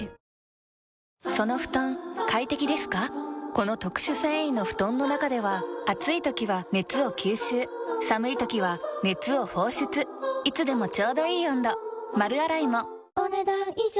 この特殊繊維の布団の中では暑い時は熱を吸収寒い時は熱を放出いつでもちょうどいい温度丸洗いもお、ねだん以上。